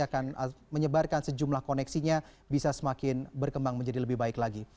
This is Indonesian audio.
akan menyebarkan sejumlah koneksinya bisa semakin berkembang menjadi lebih baik lagi